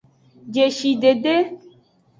Jeshidede.